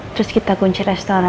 terus kita kunci restorannya